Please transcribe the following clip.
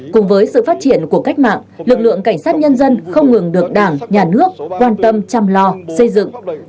cùng với sự phát triển của cách mạng lực lượng cảnh sát nhân dân không ngừng được đảng nhà nước quan tâm chăm lo xây dựng